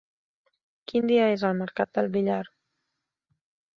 Quin dia és el mercat del Villar?